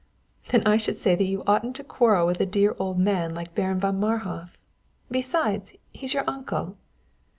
"Then I should say that you oughtn't to quarrel with a dear old man like Baron von Marhof. Besides, he's your uncle."